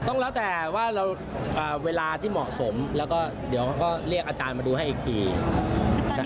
ต้องแล้วแต่ว่าเราเวลาที่เหมาะสมแล้วก็เดี๋ยวก็เรียกอาจารย์มาดูให้อีกที